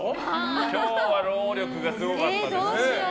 今日は労力がすごかったですね。